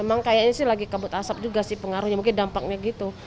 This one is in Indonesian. emang kayaknya sih lagi kabut asap juga sih pengaruhnya mungkin dampaknya gitu